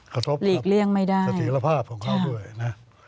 กระทบกับสถิษฐภาพของเขาด้วยนะ